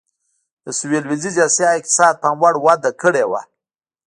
د سوېل ختیځې اسیا اقتصاد پاموړ وده کړې وه.